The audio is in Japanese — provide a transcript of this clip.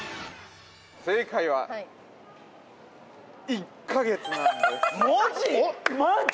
正解は１カ月なんですマジ？